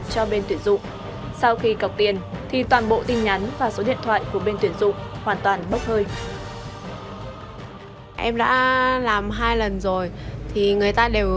cho bên tuyển dụng sau khi cọc tiền thì toàn bộ tin nhắn và số điện thoại